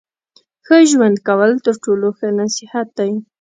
ښه ژوند کول تر ټولو ښه نصیحت دی.